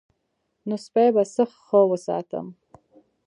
نو سپی به څه ښه وساتم.